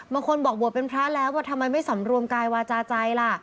บางคนบอกบวชเป็นพระแล้วว่าทำไมไม่สำรวมกายวาจาใจล่ะ